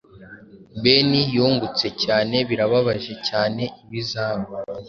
Been yungutse cyane birababaje cyane ibizaba